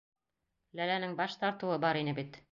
Ләләнең баш тартыуы бар ине бит.